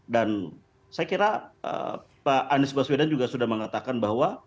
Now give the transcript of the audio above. dan saya kira pak anies baswedan juga sudah mengatakan bahwa